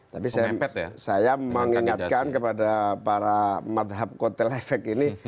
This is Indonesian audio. tapi saya mengingatkan kepada para madhab kotel efek ini